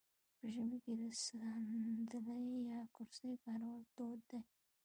په ژمي کې د ساندلۍ یا کرسۍ کارول دود دی.